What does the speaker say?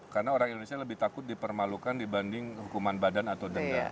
karena orang indonesia lebih takut dipermalukan dibanding hukuman badan atau denda